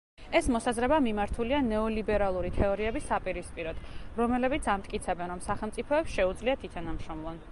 ეს მოსაზრება მიმართულია ნეოლიბერალური თეორიების საპირისპიროდ, რომელებიც ამტკიცებენ, რომ სახელმწიფოებს შეუძლიათ ითანამშრომლონ.